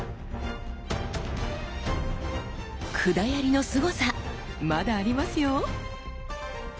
管槍のすごさまだありますよ！